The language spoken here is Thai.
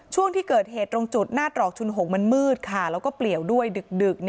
ช่วงที่เกิดเหตุตรงจุดหน้าตรอกชุน๖มันมืดค่ะแล้วก็เปลี่ยวด้วยดึก